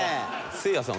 せいやさん